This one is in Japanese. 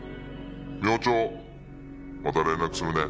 明朝また連絡するね。